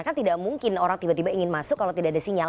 kan tidak mungkin orang tiba tiba ingin masuk kalau tidak ada sinyal